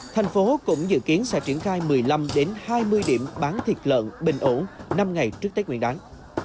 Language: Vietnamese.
tp cũng dự kiến sẽ triển khai một mươi năm hai mươi điểm bán thịt lợn bình ổn năm ngày trước tết nguyên đáng